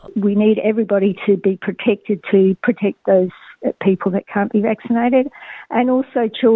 kadang kadang ini bisa menyebabkan enkephalitis